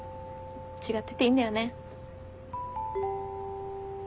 違ってていいんだよね。